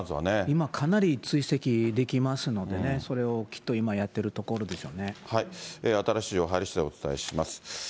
今、かなり追跡できますのでね、それをきっと今やっていると新しい情報入りしだい、お伝えします。